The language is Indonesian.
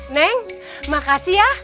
neng makasih ya